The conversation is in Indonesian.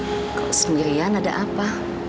kalau sendirian ada apa